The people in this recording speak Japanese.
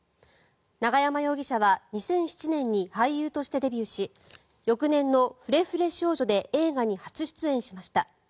永山容疑者は２００７年に俳優としてデビューし翌年の「フレフレ少女」で映画に初出演しました。